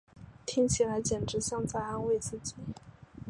听起来简直像在安慰自己